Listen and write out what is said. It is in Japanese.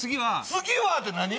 「次は」って何？